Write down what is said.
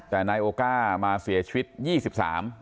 แต่นายโอก้ามาเสียชีวิตยี่สิบสาม